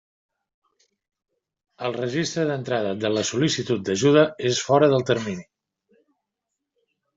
El registre d'entrada de la sol·licitud d'ajuda és fora del termini.